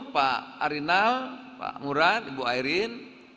pak arinal pak murad ibu airin